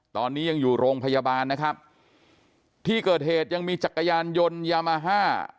ตอนนี้ยังอยู่โรงพยาบาลนะครับที่เกิดเหตุยังมีจักรยานยนต์ยามาฮ่า